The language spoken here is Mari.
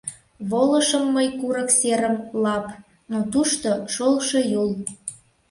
Волышым мый курык серым — Лап, но тушто — шолшо Юл.